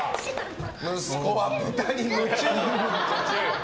息子は豚に夢中！